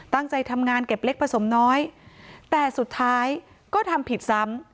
ตั้งใจทำงานเก็บเล็กผสมน้อยแต่สุดท้ายก็ทำผิดซ้ำ